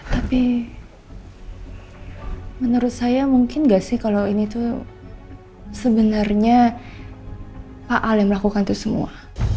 tapi menurut saya mungkin gak sih kalau ini tuh sebenarnya pak al yang melakukan itu semua